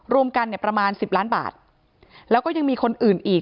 รวมกันเนี่ยประมาณสิบล้านบาทแล้วก็ยังมีคนอื่นอีก